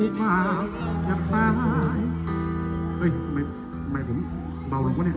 ลูกบ้านอยากตายเฮ้ยทำไมผมเบาลงวะเนี่ย